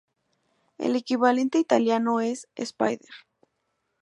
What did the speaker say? El equivalente italiano es "spider".